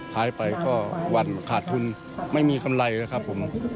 หายไปก็วันขาดทุนไม่มีกำไรนะครับผม